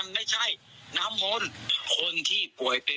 ก็อาจจะทำให้พฤติกรรมคนเหล่านี้เปลี่ยนไป